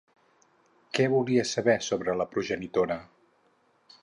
Què volia saber sobre la progenitora?